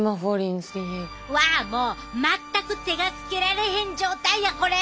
うわもう全く手がつけられへん状態やこれ！